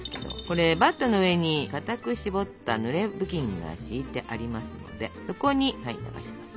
バットの上にかたく絞ったぬれ布巾が敷いてありますのでそこに流します。